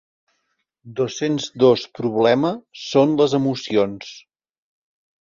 Dos-cents dos problema són les emocions.